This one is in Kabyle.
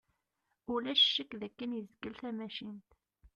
Ulac ccekk d akken yezgel tamacint.